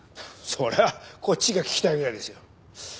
それはこっちが聞きたいぐらいですよ。